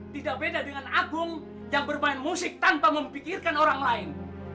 tidak beda dengan agung yang bermain musik tanpa memikirkan orang lain